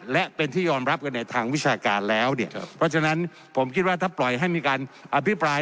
และเป็นที่ยอมรับกันในทางวิชาการแล้วเนี่ยเพราะฉะนั้นผมคิดว่าถ้าปล่อยให้มีการอภิปราย